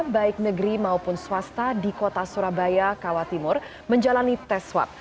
baik negeri maupun swasta di kota surabaya kawa timur menjalani tes swab